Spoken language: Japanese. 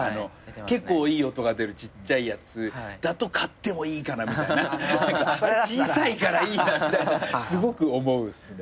結構いい音が出るちっちゃいやつだと買ってもいいかなみたいな小さいからいいやみたいなすごく思うっすね。